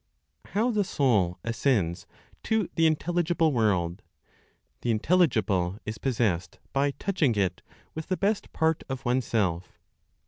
HOW THE SOUL ASCENDS TO THE INTELLIGIBLE WORLD. THE INTELLIGIBLE IS POSSESSED BY TOUCHING IT WITH THE BEST PART OF ONESELF.